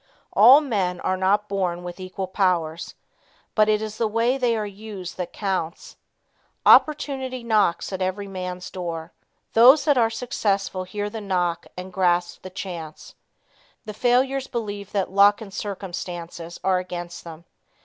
All men are not born with equal powers, but it is the way they are used that counts. "Opportunity knocks at every man's door." Those that are successful hear the knock and grasp the chance. The failures believe that luck and circumstances are against them.